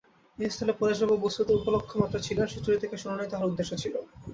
এ স্থলে পরেশবাবু বস্তুত উপলক্ষমাত্র ছিলেন– সুচরিতাকে শোনানোই তাঁহার উদ্দেশ্য ছিল।